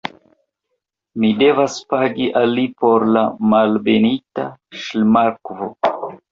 Mi devas pagi al li por la Malbenita Ŝlimakvo.